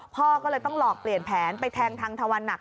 พ่อก็เลยต้องหลอกเปลี่ยนแผนไปแทงทางทวันหนัก